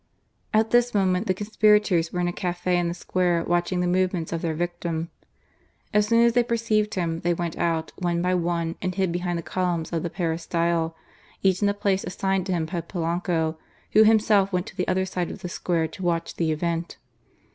At this moment the conspirators w^ere in a cafe in the square watching the movements of their victim. As soon as they perceived him, they went out, one by one, and hid behind the columns of the peristyle, each in the place assigned to him by Polanco, who himself went to the other side of the square to watch the event.